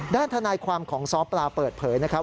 ด้านทนายความของซ้อปลาเปิดเผยนะครับ